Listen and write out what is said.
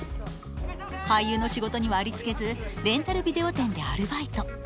俳優の仕事にはありつけずレンタルビデオ店でアルバイト。